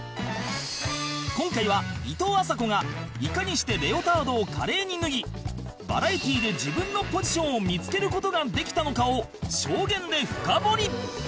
今回はいとうあさこがいかにしてレオタードを華麗に脱ぎバラエティで自分のポジションを見付ける事ができたのかを証言で深掘り